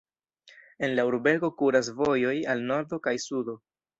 El la urbego kuras vojoj al nordo kaj sudo.